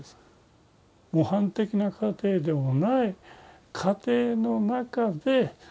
模範的な家庭ではない家庭の中で